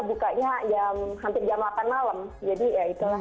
bukanya hampir jam delapan malam jadi ya itulah